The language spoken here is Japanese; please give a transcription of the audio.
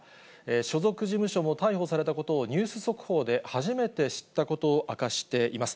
所属事務所も逮捕されたことをニュース速報で初めて知ったことを明かしています。